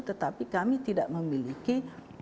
tetapi kami tidak memiliki